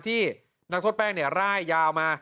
ที่นักโทษแป้งร่ายยาวมา